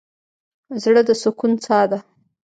زړه د سکون څاه ده.